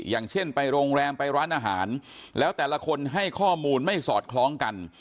อย่างเช่นไปโรงแรมไปร้านอาหารแล้วแต่ละคนให้ข้อมูลไม่สอดคล้องกัน